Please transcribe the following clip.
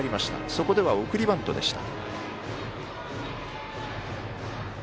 そこでは送りバントでした。